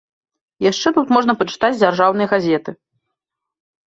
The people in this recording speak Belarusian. Яшчэ тут можна пачытаць дзяржаўныя газеты.